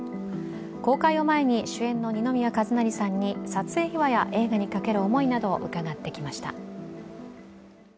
公開を前に、主演の二宮和也さんに撮影秘話や映画にかける思いなどを伺ってきました。